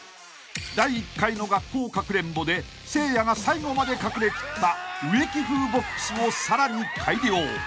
［第１回の学校かくれんぼでせいやが最後まで隠れきった植木風ボックスをさらに改良］